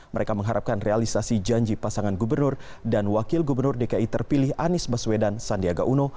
mereka mengharapkan realisasi janji pasangan gubernur dan wakil gubernur dki terpilih anies baswedan sandiaga uno